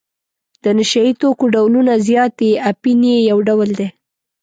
د نشه یي توکو ډولونه زیات دي اپین یې یو ډول دی.